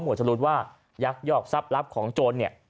หมวดจะรู้ว่ายักษ์ยอกทรัพย์รับของโจร